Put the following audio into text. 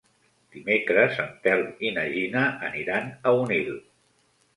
Dimecres en Telm i na Gina aniran a Onil.